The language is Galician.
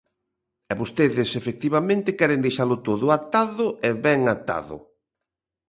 E vostedes, efectivamente, queren deixalo todo atado e ben atado.